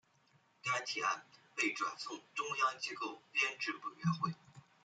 该提案被转送中央机构编制委员会。